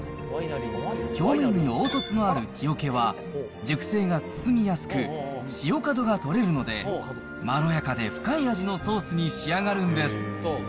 表面に凹凸のある木桶は、熟成が進みやすく、塩角が取れるので、まろやかで深い味のソースに仕上がるんです。